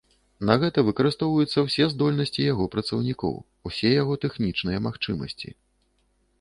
На гэта выкарыстоўваюцца ўсе здольнасці яго працаўнікоў, усе яго тэхнічныя магчымасці.